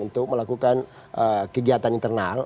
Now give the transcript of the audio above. untuk melakukan kegiatan internal